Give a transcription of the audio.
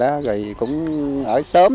rồi cũng ở xóm